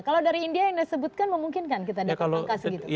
kalau dari india yang disebutkan memungkinkan kita dapat pembukaan gitu